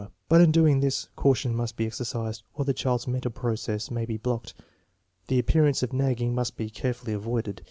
but in doing this caution must be exercised, or the child's mental process may be blocked. The appearance of nagging must be carefully avoided.